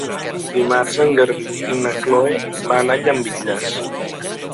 Dimarts en Garbí i na Chloé van a Llambilles.